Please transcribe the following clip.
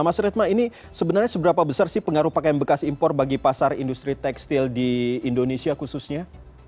mas retma ini sebenarnya seberapa besar sih pengaruh pakaian bekas impor bagi pasar industri tekstil di indonesia khususnya